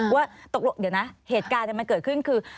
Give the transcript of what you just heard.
ว่าตกลงเดี๋ยวนะเหตุการณ์มันเกิดขึ้นคือ